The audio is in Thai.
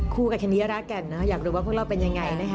กับแคนดี้ราแก่นอยากรู้ว่าพวกเราเป็นยังไงนะคะ